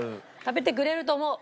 食べてくれると思う。